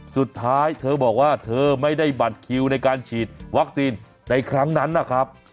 สุดท้ายเธอบอกว่าเธอไม่ได้บัตรคิวในการฉีดวัคซีนในครั้งนั้นนะครับ